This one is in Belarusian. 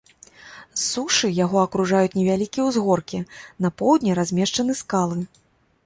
З сушы яго акружаюць невялікія ўзгоркі, на поўдні размешчаны скалы.